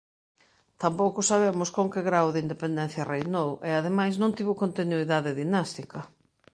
Tampouco sabemos con que grao de independencia reinou, e ademais non tivo continuidade dinástica.